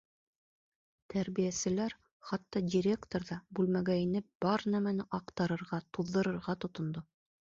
Тәрбиәселәр, хатта директор ҙа бүлмәгә инеп бар нәмәне аҡтарырға, туҙҙырырға тотондо.